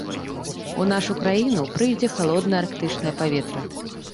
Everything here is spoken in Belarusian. У нашу краіну прыйдзе халоднае арктычнае паветра.